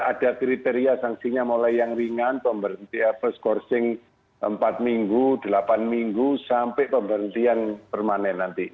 ada kriteria sanksinya mulai yang ringan first courcing empat minggu delapan minggu sampai pemberhentian permanen nanti